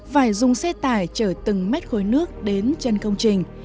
phải dùng xe tải chở từng mét khối nước đến chân công trình